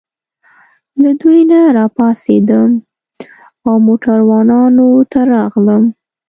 له دوی نه راپاڅېدم او موټروانانو ته راغلم.